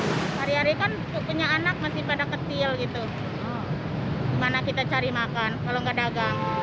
hari hari kan punya anak masih pada kecil gitu gimana kita cari makan kalau nggak dagang